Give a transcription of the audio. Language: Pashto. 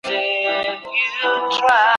شهيد عبدالرازق شېرزاد